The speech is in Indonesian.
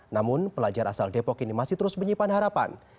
namun pelajar asal depok ini masih terus menyimpan harapan